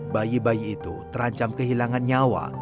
bayi bayi itu terancam kehilangan nyawa